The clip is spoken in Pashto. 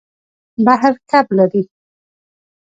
بحر کب لري.